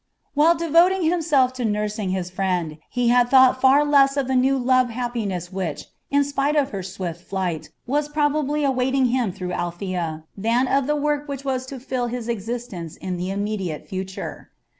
While devoting himself to nursing his friend, he had thought far less of the new love happiness which, in spite of her swift flight, was probably awaiting him through Althea than of the work which was to fill his existence in the immediate future.